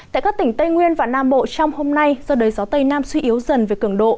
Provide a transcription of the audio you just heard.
tại các tỉnh tây nguyên và nam bộ trong hôm nay do đời gió tây nam suy yếu dần về cường độ